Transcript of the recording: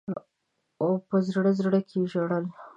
او په زړه زړه کي ژړل.